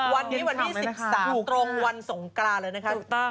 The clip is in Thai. วันนี้วันที่๑๓ตรงวันสงกรานเลยนะคะ